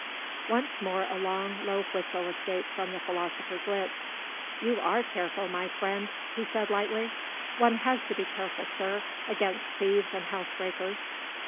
Once more a long, low whistle escaped from the philosopher's lips. "You are careful, my friend!" he said lightly. "One has to be careful, sir, against thieves and house breakers."